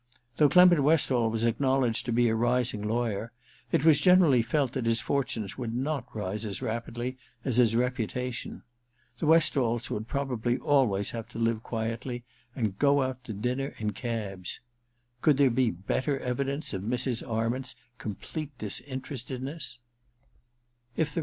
Though Clement Westall was acknowledged to be a rising lawyer, 208 II THE RECKONING 209 it was generally felt that his fortunes would not rise as rapidly as his reputation. The Westalls would probably always have to live quietly and go out to dinner in cabs. Could there be better evidence of Mrs. Arment's complete disinterestedness